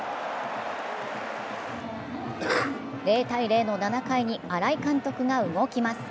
０−０の７回に新井監督が動きます。